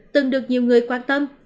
từng được nhiều người quan tâm